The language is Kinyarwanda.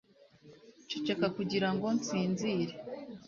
ceceka kugirango nsinzire